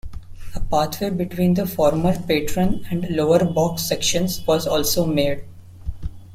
A pathway between the former Patron and Lower Box sections was also made.